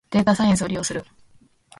データサイエンスを利用する